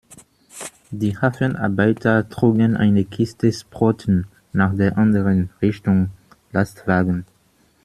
Die Hafenarbeiter trugen eine Kiste Sprotten nach der anderen Richtung Lastwagen.